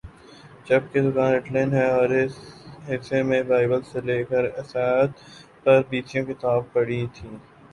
جبکہ دکان اٹالین ہے اور اس حصہ میں بائبل سے لیکر عیسائیت پر بیسیوں کتب پڑی تھیں